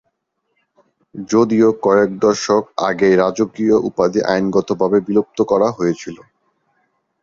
যদিও কয়েক দশক আগেই রাজকীয় উপাধি আইনত ভাবে বিলুপ্ত করা হয়েছিল।